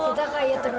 kita kayak anak terbunuh